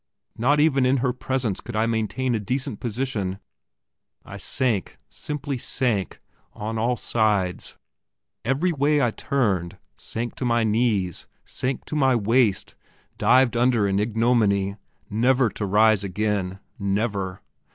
Not even in her presence could I maintain a decent position. I sank, simply sank, on all sides every way I turned; sank to my knees, sank to my waist, dived under in ignominy, never to rise again never!